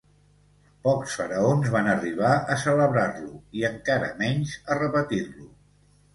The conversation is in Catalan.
Pocs faraons van arribar a celebrar-lo i encara menys a repetir-lo.